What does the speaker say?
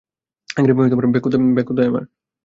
Bag কোথায় আমার?